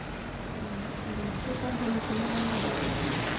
うんでもそう簡単に決められないでしょ。